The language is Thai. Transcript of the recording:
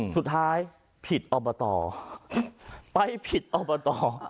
สุดท้ายผิดอบตไปผิดอบต